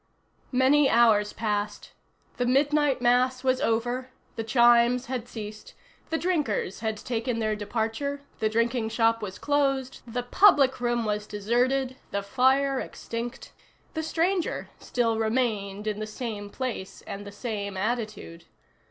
Many hours passed. The midnight mass was over, the chimes had ceased, the drinkers had taken their departure, the drinking shop was closed, the public room was deserted, the fire extinct, the stranger still remained in the same place and the same attitude.